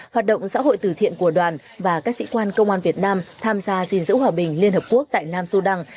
hoạt động xã hội từ thiện của đoàn và các sĩ quan công an việt nam tham gia gìn giữ hòa bình liên hợp quốc tại nam sudan